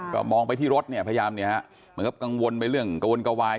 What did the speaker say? ก็มองไปที่รถเนี่ยพยายามเนี่ยฮะเหมือนกับกังวลไปเรื่องกระวนกระวาย